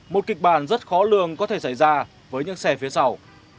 một kịch bản rất khó lường có thể xảy ra với những xe phía sau